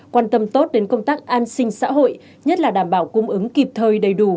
quan tâm tốt đến công tác an sinh xã hội nhất là đảm bảo cung ứng kịp thời đầy đủ